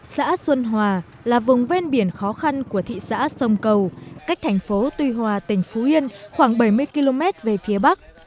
xã xuân hòa là vùng ven biển khó khăn của thị xã sông cầu cách thành phố tuy hòa tỉnh phú yên khoảng bảy mươi km về phía bắc